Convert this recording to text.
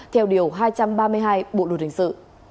theo điều hai trăm ba mươi hai bộ luật hình sự